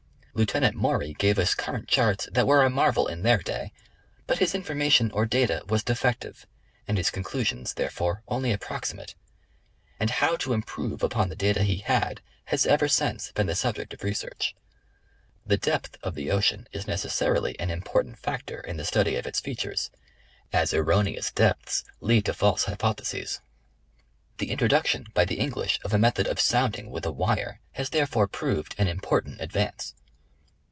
Lieutenant Maury gave us current charts that were a marvel in their day, but his information, or data, was defective, and his conclusions, therefore, only approximate ; and how to improve on the data he had, has ever since been the sub ject of research. The depth of the ocean is necessarily an im portant factor in the study of its features, as erroneous depths lead to false hypotheses. The introduction by the English of a method of sounding with a wire, has therefore proved an im portant advance.